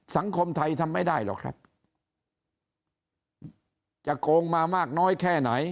สังคมไทยทำไม่ได้หรอกครับจะโกงมามากน้อยแค่ไหน